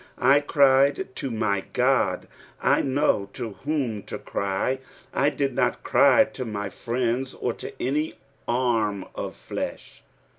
I cried to my God : I knew to whom to cry ; I did not cry to my friends, or to any arm of flesh.